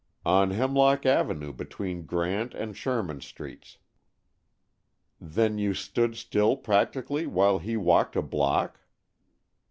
"On Hemlock Avenue between Grant and Sherman Streets." "Then you stood still, practically, while he walked a block?"